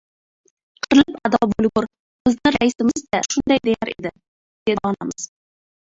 — Qirilib ado bo‘lgur, bizni raisimiz-da shunday deyar edi, — dedi onamiz.